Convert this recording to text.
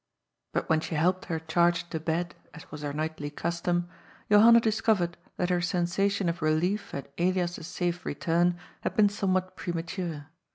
But when she helped her charge to bed, as was her nightly custom, Johanna discovered that her sensation of relief at Elias's safe return had been somewhat premature.